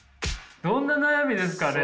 どんな悩みですかね？